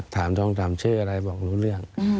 ถามท้องจำชื่ออะไรบอกรู้เรื่อง